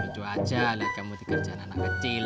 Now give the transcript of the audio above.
lucu aja liat kamu di kerjaan anak kecil